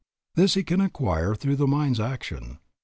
This he can acquire through the mind's action.